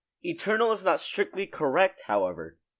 Eternal is not strictly correct, however.